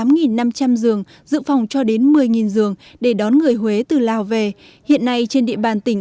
tám năm trăm linh giường dự phòng cho đến một mươi giường để đón người huế từ lào về hiện nay trên địa bàn tỉnh